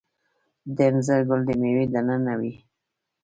د انځر ګل د میوې دننه وي؟